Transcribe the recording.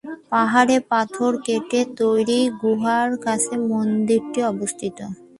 পাহাড়ের পাথর কেটে তৈরি গুহার কাছে মন্দিরটি অবস্থিত।